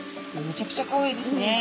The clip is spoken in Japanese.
めちゃくちゃかわいいですね。